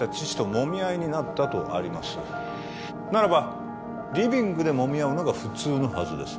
もみ合いになったとありますならばリビングでもみ合うのが普通のはずです